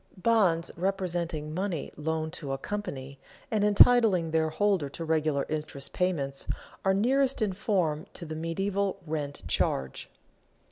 Bonds representing money loaned to a company, and entitling their holder to regular interest payments, are nearest in form to the medieval rent charge.